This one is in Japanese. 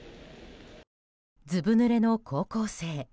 ずぶぬれの高校生。